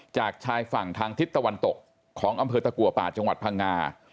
จากชายฝั่งทางทิศตะวันตกของอำเภอตะกัวป่าจังหวัดพังงา